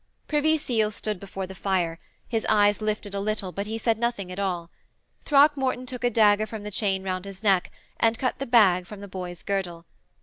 Privy Seal stood before the fire; his eyes lifted a little but he said nothing at all. Throckmorton took a dagger from the chain round his neck, and cut the bag from the boy's girdle.